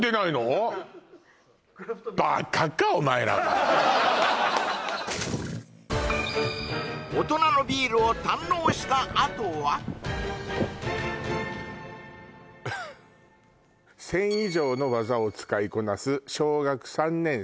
バカかお前らは大人のビールを堪能したあとは「１０００以上の技を使いこなす小学３年生」